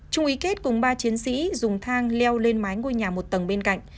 trung ý kết cùng ba chiến sĩ dùng thang leo lên mái ngôi nhà một tầng bên cạnh